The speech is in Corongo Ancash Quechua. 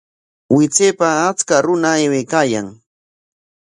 Wichaypa acha runa aywaykaayan